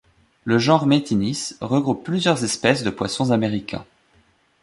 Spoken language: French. Le genre Metynnis regroupe plusieurs espèces de poissons américains.